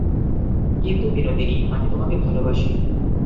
কিন্তু বিনোদিনী, আমি তোমাকে ভালোবাসি।